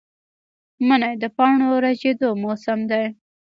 منی د پاڼو ریژیدو موسم دی